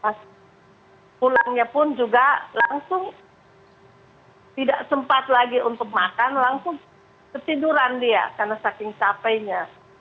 pas pulangnya pun juga langsung tidak sempat lagi untuk makan langsung ketiduran dia karena saking capeknya